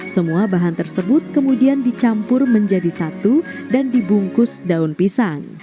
semua bahan tersebut kemudian dicampur menjadi satu dan dibungkus daun pisang